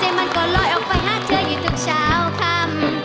แต่มันก็ลอยออกไปหาเธออยู่จนเช้าคำ